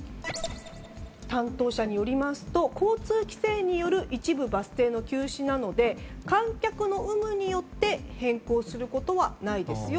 担当者によりますと交通規制による一部バス停の休止なので観客の有無によって変更することはないですよ。